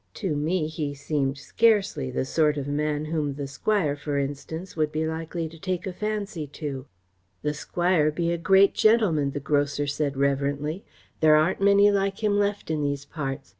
To me he seemed scarcely the sort of man whom the Squire, for instance, would be likely to take a fancy to." "The Squire be a great gentleman," the grocer said reverently. "There aren't many like him left in these parts.